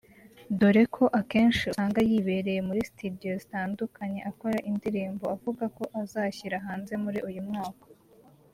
doreko akenshi usanga yibereye muri studio zitandukanye akora indirimbo avuga ko azashyira hanze muri uyu mwaka